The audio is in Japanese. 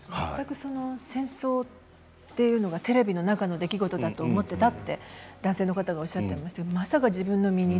戦争というのはテレビの中の出来事だと思っていたと男性の方がおっしゃっていましたがまさか自分の身に。